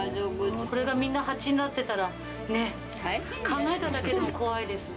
これがみんなハチになってたらと思ったら、考えただけでも怖いです。